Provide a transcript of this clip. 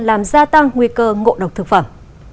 làm gia tăng nguy cơ ngộ độc thực phẩm